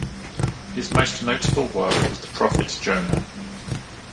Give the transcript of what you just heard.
His most notable work was the "Profit Jonah".